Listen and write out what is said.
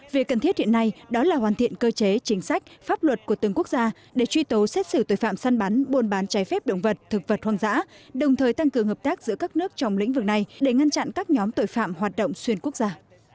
việc cần thiết hiện nay đó là hoàn thiện cơ chế chính sách pháp luật của từng quốc gia để truy tố xét xử tội phạm săn bắn buôn bán trái phép động vật thực vật hoang dã đồng thời tăng cường hợp tác giữa các nước trong lĩnh vực này để ngăn chặn các nhóm tội phạm hoạt động xuyên quốc gia